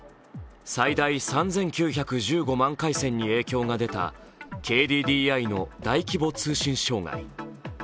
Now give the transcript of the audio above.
最大３９１４万回線に影響が出たＫＤＤＩの大規模通信障害。